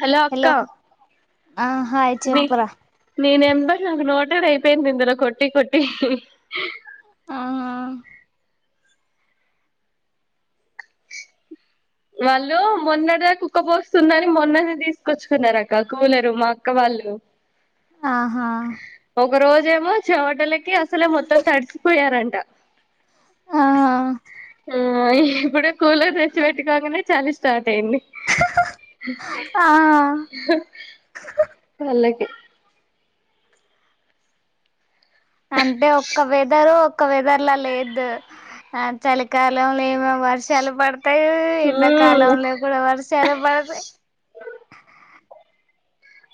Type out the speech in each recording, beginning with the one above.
Hello అక్క ఆ hi నె చెప్పురా నీ నం మరి నాకు నోటెడు అయిపోయింది ఇందులో కొట్టి కొట్టి అవునా వాళ్ళు మొన్నటిదా ఉక్కపోస్తుందని మొన్ననే తీసుకొచ్చుకున్నారు అక్క కూలరు మా అక్క వాళ్ళు ళ్ళు ఆహా ఒక రోజేమో చెమటలకి అసలే మొత్తం తడిచిపోయారంట ఆ అ ఆ ఇప్పుడ కూలర్ తెచ్చిపెట్టు కొంగనే చలి స్టార్ట్ అయింది. ఆ వాళ్ళకే అంటే ఒక్క వెదరు ఒక్క వెదర్లా లేదు ఆ చలికాలం ఏమ వర్షాలు పడతాయి మ్మ్ ఎండాకాలంలో గుడా వర్షాలు పడతాయి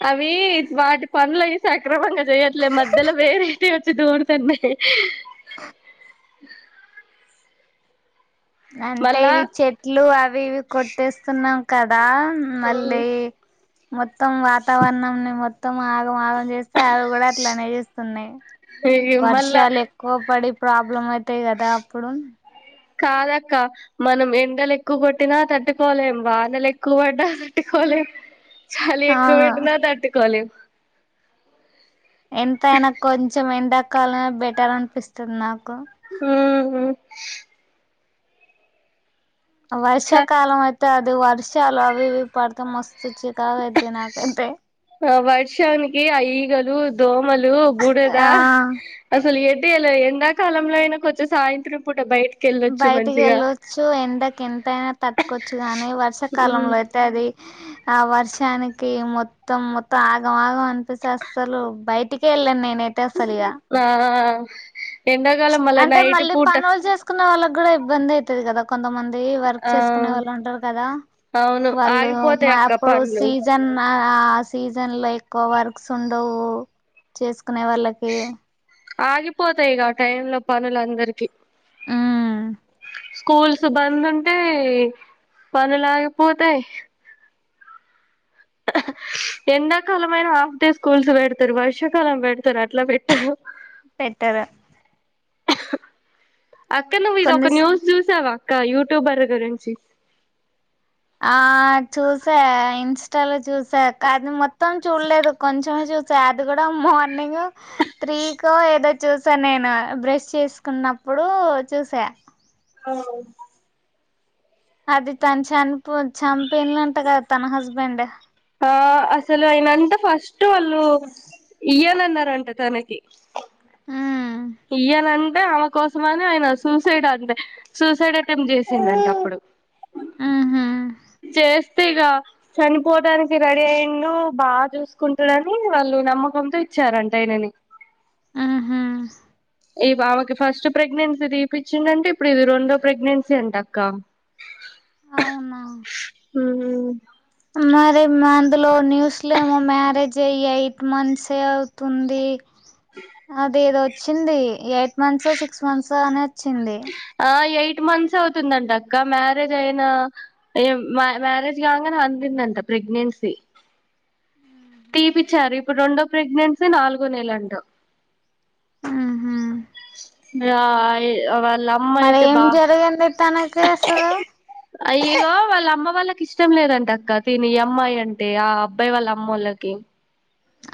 అవి వాటి పనులు అవి సక్రమంగా చెయట్లే మధ్యలో వేరేటివి వచ్చి దూరుతున్నాయి అంటే మళ్ళా ఇవి చెట్లు అవి ఇవి కొట్టేస్తున్నాం కదా మళ్ళీ మొత్తం వాతావరణం ని మొత్తం ఆగం ఆగం చేస్తే అవి కూడా అట్లానే చేస్తున్నాయి మళ్ళా వర్షాలు ఎక్కువ పడి ప్రాబ్లమ్ అయితాయి కదా అప్పుడు కాదక్క మనం ఎండలు ఎక్కువ కొట్టినా తట్టుకోలేం వానలు ఎక్కువ పడ్డా తట్టుకో లేం చలి ఎక్కువ అవును బెట్టినా తట్టుకోలేం ఎంతైనా కొంచెం ఎండాకాలమే బెటర్ అనిపిస్తుంది నాకు [unintelligible] చ వర్షాకాలం అయితే అది వర్షాలు అవివి పడతే మస్ సుచ్చ్ తాగద్దు నాకంతే ఆ వర్షానికి ఆ ఈగలు దోమలు బురద ఆ అసలు ఏ ఎండాకాలంలో అయినా కొంచెం సాయంత్రం పూట బయట బయటికి వెళ్ళచ్చు ఎండకి ఎంతైనా తట్టుకోవచ్చు గానీ ఉమ్ వర్షాకాలంలో అయితే అది ఆ వర్షానికి మొత్తం మొత్తం ఆగం ఆగం అనిపిస్తాది అస్సలు బయటికే వెళ్ళాను నేను నిను అయితే అస్సలు ఇయా ఆ ఎండాకాలం మళ్ళా నైట్ మళ్ళీ పూట పనులు చేసుకునే వాళ్ళకి కూడా ఇబ్బంది అయితాది కదా కొంతమంది వర్క్ ఆ చేసుకునే వాళ్ళు ఉంటారు కదా అవును వాళ్ళు ఆగిపోతాయి అక్క అప్పుడు పనులు సీజన్ ఆ సీజన్ లో ఎక్కువ వర్క్స్ ఉండవు చేసుకునే వాళ్ళకి ఆగిపోతాయిక ఆ టైం లో పనులుందరికి ఉమ్ స్కూల్స్ బంద్ ఉంటే పనులు అగిపోతాయి ఎండకాలం అయినా హాఫ్ డే స్కూల్స్ పెడతారు వర్షాకాలం పెడతార అట్లా పెట్టారు పెట్టార అక్క నువ్వు ఇది కొన్ని ఒక న్యూస్ చూసావ అక్క యూట్యూబర్ గురించి ఆ చూసా ఇన్స్టాలో చూస్ అది మొత్తం చూడలేదు కొంచెమే చూసా అది కూడా మార్నింగ్ త్రీకా ఏదో [unintelligible] చూసా నేను బ్రష్ చేసుకున్నప్పుడు చూసా అవున్ అది తను చంపు చంపిండంటా కదా తన హస్బెండ్ ఆ అసలు ఆయనంతా ఫస్ట్ వాళ్ళు ఇయ్యానన్నారు అంటా తనకి ఉమ్ ఇయ్యాలన్ అంటే ఆమె కోసంమని ఆయన సూసైడ్ అండ్ సూసైడ్ అటెంప్ట్ చేసిండంటా అప్పుడు అ ఉహు చేస్తే ఇక చనిపోవడానికి రెడీ అయిండు బాగా చూసుకుంటుడని వాళ్ళు నమ్మకంతో ఇచ్చారంటా అయనని ఆహా ఈ పాపకి ఫస్ట్ ప్రెగ్నెన్సీ తీపిచ్చిండంటా ఇప్పుడు ఇది రెండో ప్రెగ్నెన్సీ అంట అక్క అవునా ఉను మరి మాందులో న్యూస్లేమో మ్యారేజ్ అయ్యి ఎయిట్ మంత్స్ అవుతుంది అది ఏదొ వచ్చింది ఎయిత్ మంత్సో సిక్స్ మంత్సో అనే ఆ ఏయిట్ ఎయిట్ మంత్స్ అవుతుందంట అక్క మ్యారేజ్ అయిన మ్యారేజ్ కాకనే అయిందంటా ప్రెగ్నెంట్ ప్రెగ్నెన్సి తీపిచ్చారు ఇప్పుడు రెండో ప్రెగ్నెన్సీ నాలుగో నెల అంటా ఉహు యా ఎవరు ఈ అమ్మ మరి అయితే ఏం బా జరిగింది తనకి అసలు వాళ్ళ అమ్మ వాళ్ళకి ఇష్టం లేదంట అక్క తిని ఈ అమ్మాయి అంటే ఆ అబ్బాయి వాళ్ళ అమ్మల్లకి ఓకే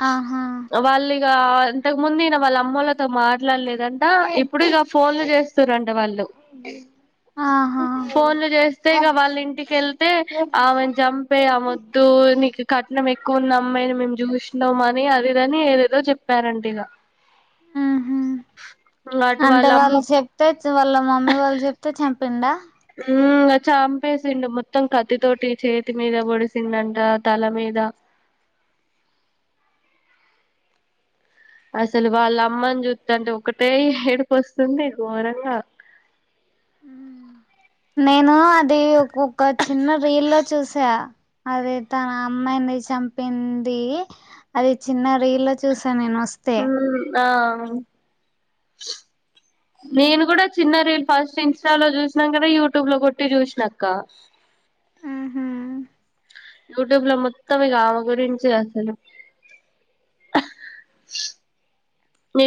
ఆహా ఇగ ఇంతకు ముందు ఈయన వాళ్ళ అమ్మలతో మాట్లాడలేదంటా ఇప్పుడు ఇక ఫోన్లు చేస్తారంట వాళ్ళు ఆహా ఫోన్లు చేస్ వాళ్ళ ఇంటికిళ్తే ఆమెను చంపే ఆ మొద్దు నీకు కట్నం ఎక్కువ ఉన్న అమ్మా మేము చూసినం అని అదిదని ఏదేదో చెప్పారంట ఇగా ఉహు అంటే వాళ్ళు చెప్తే వాళ్ళ మమ్మీ వాళ్ళు చెప్తే చంపిండా ఉ చంపేసిండు మొత్తం కత్తితోటి చేతి మీద పొడిచిండంటా తలమీద అసలు వాళ్ళ అమ్మని చూస్తుంటే ఒకటే ఏడుపు వస్తుంది ఘోరంగా నేను అది ఒ ఒక చిన్న రీల్ లో చూసా అది తన అమ్మాయిని చంపింది అది చిన్న రీలో చూసాను నేను వస్తే ఉమ్ ఆ నేను కూడా చిన్న రీల్ ఫస్ట్ ఇన్స్టాలో చూసినంకనే యూట్యూబ్ లో కొట్టి చూసినక్క ఉహు యుట్యూబ్ లో మొత్తం ఇగా ఆమె గురించే అసలు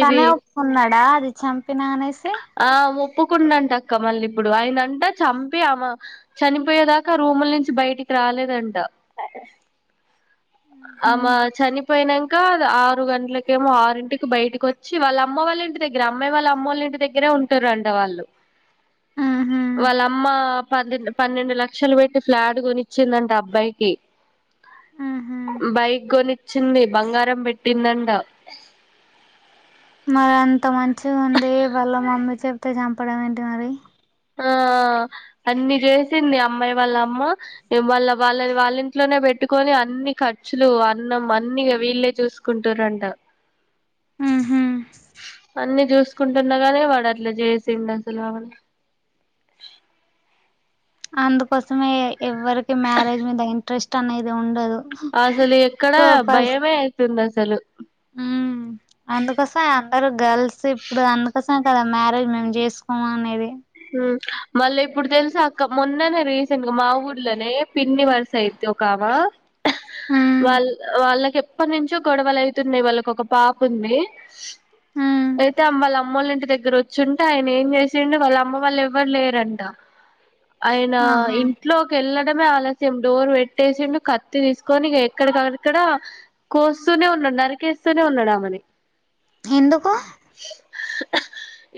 ఇది ఒప్పుకున్నాడా అది చంపిన అనేసి ఆ ఒప్పుకున్నాడంట అక్క మళ్ళీ ఇప్పుడు ఆయన అంట చంపి ఆమ చనిపోయేదాకా రూముల నుంచి బయటికి రాలేదంట ఉహు ఆమ చనిపోయినంక ఆరు గంటలకేమో ఆరింటికి బయటకి వచ్చి వాళ్ళ అమ్మ వాళ్ళ ఇంటి దగ్గర అమ్మాయి వాళ్ళ అమ్ముల ఇంటి దగ్గరే ఉంటారు అంట వాళ్ళు వాళ్ళ అమ్మ పం పన్నెండు లక్షలు పెట్టి ఫ్లాట్ కొనిచ్చిందంట అబ్బాయికి ఉహు బైక్ కొనిచ్చింది బంగారం పెట్టిందంట మరి అంత మంచిగా ఉంది వాళ్ళ మమ్మీ చెప్తే చంపడం ఏంటి మరి ఆ అన్ని చేసింది అమ్మాయి వాళ్ళ అమ్మ వాళ్ళ వాళ్ళ వాళ్ళ ఇంట్లోనే పెట్టుకొని అన్ని ఖర్చులు అన్నం అన్నిగా వీళ్ళే చూసుకుంటుంర్రూ అంట ఉహు అన్ని చూసుకుంటున్నాగానీ వాడట్లా చేసిండు అసలు ఆమెని అ [unintelligible] అందుకోసమే ఎవరికి మ్యారేజ్ మీద ఇంట్రెస్ట్ అనేది ఉండదు అసలు ఎక్కడ కోపస్ భయమే అయితుంది అసలు ఉమ్ అందుకోసం గర్ల్స్ ఇప్పుడు అందుకోసమే కదా మ్యారేజ్ మేము చేసుకోము అనేది మళ్ళీ ఇప్పుడు తెలుస అక్క మొన్ననే రీసెంట్ గా మా ఊర్లోనే పిన్ని వరుస అయితది ఒకామ ఉమ్ వాళ్ళు వాళ్ళ ఎప్పటి నుంచో గొడవలు అయితున్నాయి వాళ్ళకి ఒక పాప ఉంది ఉమ్ అయితే అమ్మ వాళ్ళ అమ్మల ఇంటి దగ్గర వచ్చుంటే ఆయన ఏం చేసిడి వాళ్ళ అమ్మ వాళ్ళ ఎవ్వరు లేరంట ఆయన ఆహా ఇంట్లోకి వెళ్ళ ఆలస్యం డోర్ పెట్టేసిండు కత్తి తీసుకొని ఎక్కడికక్కడ కోస్తూనే ఉన్నా నరికేస్తూనే ఉన్నాడామని ఎందుకు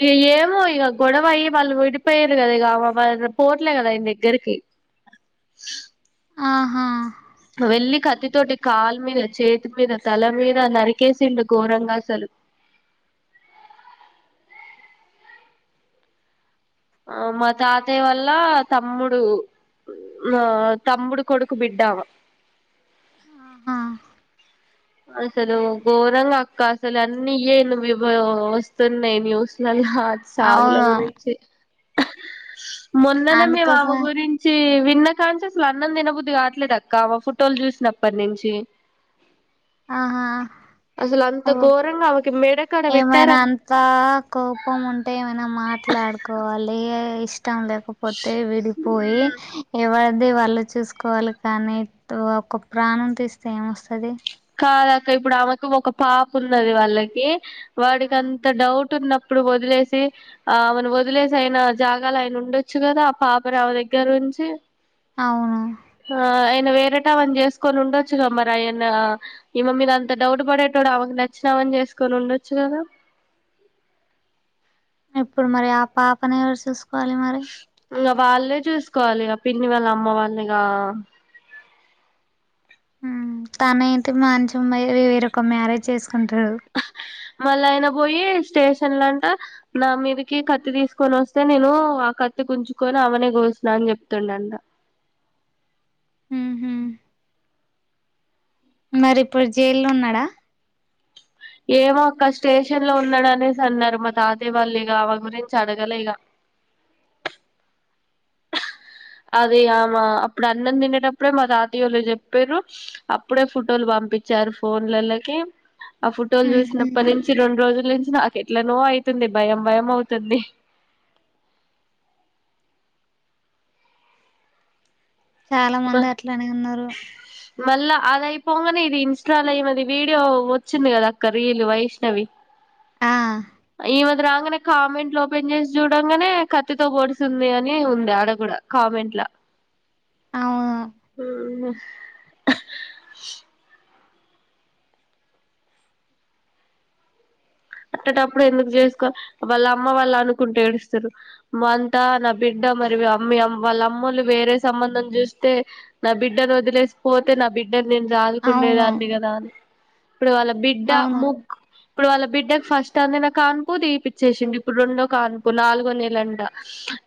ఇగా ఏమో ఇగా గొడవయ్యి వాళ్ళు విడిపోయారు కదా ఇగా వాళ్ళ పోట్లే కదా ఆయన దగ్గరికి ఆహా వెళ్లి కత్తితోటి కాలు మీద, చేతి మీద, తల మీద నరికేసిండు ఘోరంగా అసలు ఆ మా తాతయ్య వల్ల తమ్ముడు ఆ తమ్ముడు కొడుకు బిడ్డ ఆమా ఆహా అసలు ఘోరంగా అక్క అసలు అన్ని ఇయ్యే వస్తున్నాయి న్యూస్లల్లా హా చావుల అవును గురించి మొన్ననే మేం ఆమే అందుకోసం గురించి ఇన్న కాంచీ అసలు అన్నం తినబుద్ధి కావట్లేదు అక్కాఆమ ఫోటోలు చూసినప్పటి నుంచి ఆహా అసలు అంత ఘోరంగా ఆమెకి మెడ కాడ పెట్టారు ఏమైనా అంతా కోపం ఉంటే ఏమై మాట్లాడుకోవాలి ఇష్టం లేకపోతే విడిపోయి ఎవరి అదే వాళ్ళు చూసుకోవాలి కానీ ఒక ప్రాణం తీస్తే ఏమొస్తుంది కాదాక ఇప్పుడు ఆమకు ఒక పాప్ ఉన్నది వాళ్ళకి వాడికి అంత డౌట్ ఉన్నప్పుడు పోతే వదిలేసి ఆ అమెను వదిలేసి అయిన జాగా ఆయన ఉండొచ్చు కదా ఆ పాపరామ దగ్గరంచి అవును ఆ ఆయన వేరేట అని చేసుకొని ఉండొచ్చుగామ్ మరి ఆయన ఇమ మీద అంత డౌట్ పడేట ప్పుడు అవకి నచ్చినామని చేసుకొని ఉండొచ్చు కదా ఇప్పుడు మరి ఆ పాపను ఎవరు చూసుకోవాలి మరి ఇంకా వాళ్ళే చూసుకోవాలి ఇక పిన్ని వాళ్ళ అమ్మ వాళ్ళనిగా తనయితే మంచిం వేరొక మ్యారేజ్ చేసుకు మళ అనా పోోయిస్ స్టేషన్ ంట నా మీదికి కత్తి తీసుకొని వస్తే నేను ఆ కత్తి కుంచుకొని అవనే గ ని చెప్తుండడి ఉహు. మరి ఇప్పుడు జైలు ఉన్నాడా ఏమో ఒక్క స్టేషన్ లో ఉన్నాడు అనేసి అన్నారు మా తాత వాళ్ళు ఇక ఆమె గురించి అడగల ఇక అదే అమా అప్పుడు అన్నం తిినేటప్పుడే మా తాతీయోళ్ళు చెప్పారు అప్పుడే ఫుటోలు బాబ పచారు ఫోన్లలకి ఆ ఫోటోలు ఉహు. చూసినప్పటి నుంచి రెండు రోజుల నుంచి నాకు ఎట్లా నో అవుతుంది భయం భయం అవుతుంది చాలా మంది అట్లా అని ఉన్నారు మళ్ళా అది అయిపోగానే ఇది ఇన్స్టాలో మది వీడియో వచ్చింది కదా అక్క రీల్ వైష్ణవి ఆ ఈ మ రాగానే కామెంట్ లో ఓపెన్ చేసి చూడంగానే కత్తితో పోడిసింది అని ఉంది ఆడ కూడా కామెంట్ లో అవును ఉ అట్టటప్పుడు ఎందుకు చేసుకో వాళ్ళ అమ్మ వాళ్ళు అనుకుంటే ఏడుస్తారు మ అంతా నా బిడ్డ మరి అమ్ వాళ్ళ అమ్మలు వేరే సంబంధం చూస్తే నా బిడ్డను వదిలేసిపోతే నా బిడ్డ బిడ్డ నేను అవును చదుకుండేదాన్ని కదా అని ఇప్పుడు వాళ్ళ బిడ్డ అవును ముగ్ ఇప్పుడు వాళ్ళ బిడ్డ ఫస్ట్ అంది నా కాన్పూ తీపిచ్చేసింంది ఇప్పుడు రెండో కాన్పూ నాలుగో నెలంట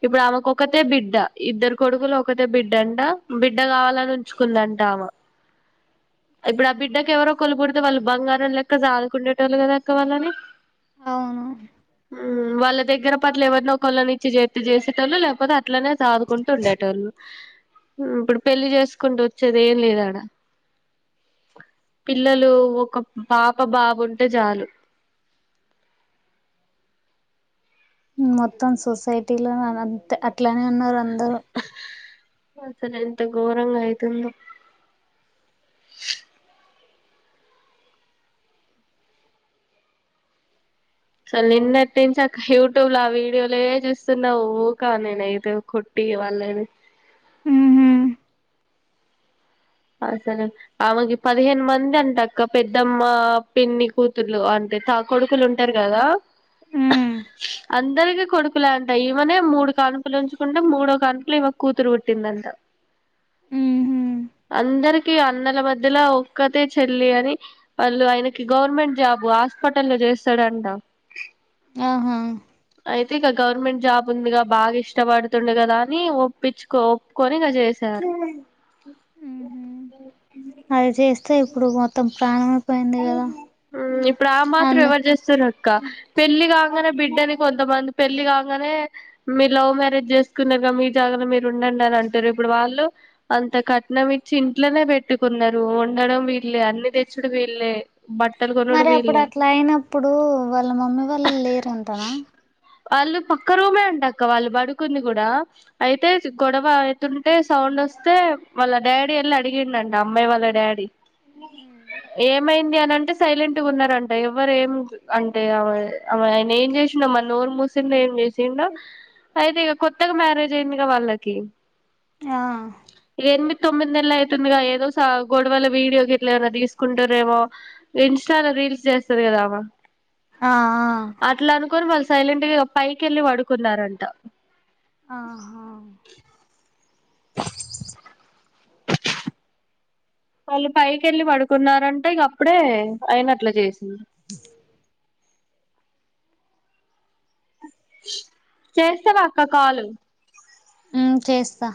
ఇప్పుడు ఆమెకు ఒకతే బిడ్డ ఇద్దరు కొడుకులు ఒకతే బిడ్డ అంట బిడ్డ కావాలని ఉంచుకుందంట ఆమ ఇప్పుడు ఆ ఆహా. బిడ్డకి ఎవరో కొలు పడితే వాళ్ళు బంగారం లక్క జదుగుకుండే వాళ్ళు కదా అక్క వాళ్ళని అవునును మ్ వాళ్ల దగ్గర పట్ల ఎవరినొ ఒకళ్ళని ఇచ్చి చేతే చేసేటోళ్ళు లేకపోతే అట్లనే సాదుకుంటూ ఉండేటోళ్ళు మ్ ఇప్పుడు పెళ్లీ చేసుకుంటే వచ్చేది ఏం లేదు ఆడా పిల్లలు ఒక పాప బాబు ఉంటే చాలు మొత్తం సొసైటీలో అంత అట్లానే ఉన్నారు అందరు అసలు ఎంత ఘోరంగా అయితుందొ అసలు నిన్నటి నుంచి అక్క యూట్యూబ్ ల ఆ వీడియోలే చూస్తున్నా ఊకా నేను ఐతే కొట్టి ఇగ వాళ్లని ఉహు అసలు ఆమెకి పదిహేను మంది అంటా అక్క పెద్దమ్మ పిన్ని కూతుర్లు అం టా కొడుకులు ఉంటరు కదా ఉమ్ అందరికిీ కొడుకులే అంట ఈమనే మూడు కానుపులు ఉంచుకుంటే మూడో కానుపుల ఈమెకు కూతురు పుట్టిందంట మ్ హూ అందరికి అన్నల మధ్యలో ఒక్కతే చెల్లి అని వాళ్లు ఆయనకి గవర్నమెంట్ జాబ్ హా స్పిటల్లో చేస్తాడుంట అహా అయితే ఇక గవర్నమెంట్ జాబ్ ఉందిగా బాగా ఇష్టపడుతుండు కదా అని ఒప్పించుకో ఒప్పుకోని ఇగ చేశారు అ ఉహు అది చేస్తే ఇప్పుడు మొత్తం ప్రాణమైపోయింది కదా ఉమ్ ఇప్పుడు ఆ మాత్రం అందు ఎవరు చేస్తురు ఇక పెళ్లి కాంగనే బిడ్డని కొంతమంది పెళ్లి కాంగనే మీరూ లవ్ మ్యారేజ్ చేసుకున రు మీ జాగలో మీరు ఉండండి అని అంటారు ఇప్పుడు వాళ్లు అంత కట్నం ఇ చ్చి ఇంట్లనే పెట్టుకున్నారు వండడం వీళ్లే అన్ని తెచ్చుడు వీళ్లే మరి అప్పుడు అట్లా అయినప్పుడు వాళ్ల మమ్మీ వాళ్లు లేరంటనా వాళ్లు పక్క రూమే అంటక్క వాళ్లు పడుకుంది కూడా అయితే గొడవ అయితుంటే సౌండ్ వస్తే వాళ్ల డాడీ వెళ్లి అడిగిండు అంట అమ్మాయి వాళ్ల డాడీ ఏమైంది అని అంటే సైలెంట్ గా ఉన్నారంట ఎవ్వరు ఏం అంటే ఆయన ఏం చేసిన మరి నోర్ మూసిండో ఏం చేసిండో అయితే ఇగ కొత్తగా మ్యారేజ్ అయింది గా వాళ్లకి ఆ తొమ్మిది నెల్లు అయితుందిగా ఏదో గొడవల వీడియో గిట్లా ఏమైన్నా తీసుకుంటురేమో ఇన్స్టాలో రీల్స్ చేస్తాది కదా అమా ఆ ఆ సైలెంట్ గా పైకెళ్ళి పడుకున్నారంట ఆహా వాళ్లు పైకి వెళ్ళి పడుకున్నారంట ఇగ అప్పుడే ఆయన అట్లా చేసింది చేస్తావా అక్క కాల్ ఆ చేస్తా